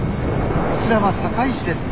こちらは堺市です。